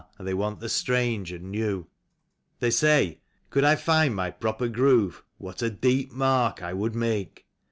And they want the strange and new. They say :" Could I find my proper groove. What a deep mark I would make